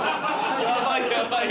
やばいやばい。